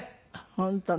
本当ね。